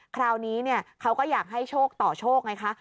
คราวนี้เขาก็อยากให้โชคต่อโชคไงคะ